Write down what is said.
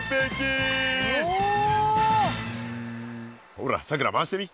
ほらさくら回してみ。